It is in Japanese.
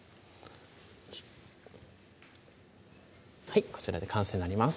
はいこちらで完成になります